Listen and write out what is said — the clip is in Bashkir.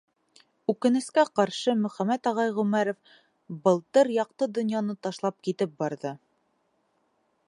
Үкенескә ҡаршы, Мөхәмәт ағай Ғүмәров былтыр яҡты донъяны ташлап китеп барҙы.